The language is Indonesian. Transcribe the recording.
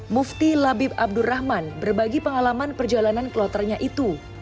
mufti labib abdurrahman berbagi pengalaman perjalanan kloternya itu